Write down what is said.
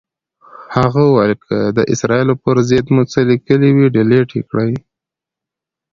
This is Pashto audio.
هغه ویل که د اسرائیلو پر ضد مو څه لیکلي وي، ډیلیټ یې کړئ.